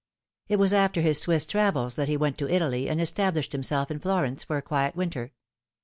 It was after his Swiss travels that he went to Italy, and established himself in Florence for a quiet winter.